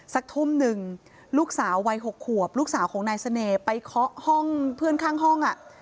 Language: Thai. สักทุ่มหนึ่งลูกสาววัย๖ขวบลูกสาวของนายเสน่ห์ไปเคาะห้องเพื่อนข้างห้องอ่ะ